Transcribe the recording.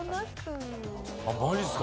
マジっすか？